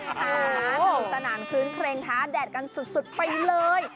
สะดุกสนานคืนเพลงทาแดดกันสุดไปเลย